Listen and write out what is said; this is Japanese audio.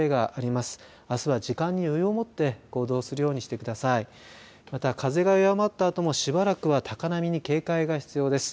また、風が弱まったあともしばらくは高波に警戒が必要です。